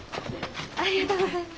ありがとうございます。